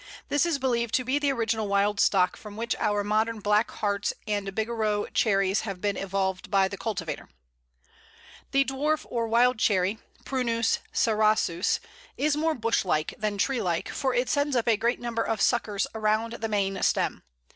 This is believed to be the original wild stock from which our modern Black Hearts and Bigarreau Cherries have been evolved by the cultivator. [Illustration: Wild Cherry. A, fruit; B, flower.] The Dwarf or Wild Cherry (Prunus cerasus) is more bush like than tree like, for it sends up a great number of suckers around the main stem.